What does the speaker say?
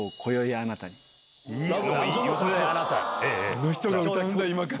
あの人が歌うんだ今から。